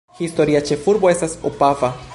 Historia ĉefurbo estas Opava.